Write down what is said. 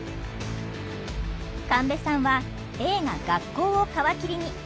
神戸さんは映画「学校」を皮切りに「男はつらいよ」